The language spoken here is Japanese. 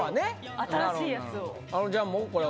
新しいやつを。